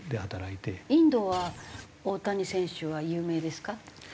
インドは大谷選手は有名ですか？